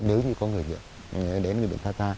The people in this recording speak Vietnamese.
nếu như có người nghiệp đến người biển phát ra